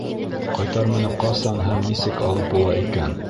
Ҡайтарманы ҡасан һәм нисек алып була икән?